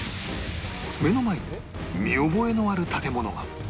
目の前に見覚えのある建物が